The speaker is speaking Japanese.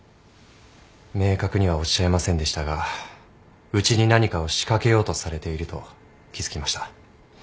明確にはおっしゃいませんでしたがうちに何かを仕掛けようとされていると気付きました。